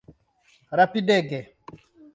Rapidege!